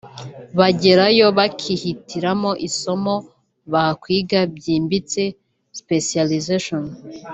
bagerayo bakihitiramo isomo bakwiga byimbitse( Specialisation)